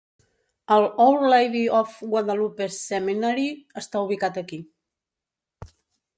El "Our Lady of Guadalupe Seminary" està ubicat aquí.